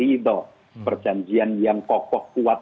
ridho perjanjian yang kokoh kuat